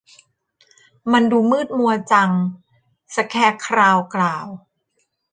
มันดูมืดมัวจัง สแคร์คราวกล่าว